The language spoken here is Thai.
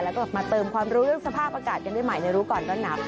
แล้วก็มาเติมความรู้เรื่องสภาพอากาศกันได้ใหม่ในรู้ก่อนร้อนหนาว